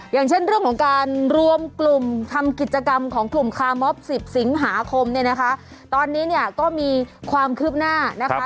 อย่างเช่นเรื่องของการรวมกลุ่มทำกิจกรรมของกลุ่มคาร์มอบ๑๐สิงหาคมเนี่ยนะคะตอนนี้เนี่ยก็มีความคืบหน้านะคะ